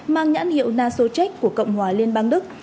mang nhãn hiệu nasochek của cộng hòa liên bang đức